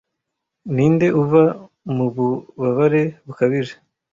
ninde uva mububabare bukabije